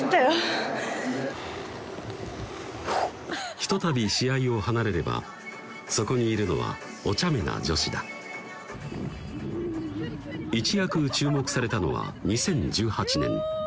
ひと度試合を離れればそこにいるのはおちゃめな女子だ一躍注目されたのは２０１８年